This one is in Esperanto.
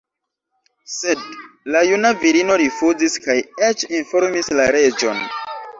Sed la juna virino rifuzis kaj eĉ informis la reĝon.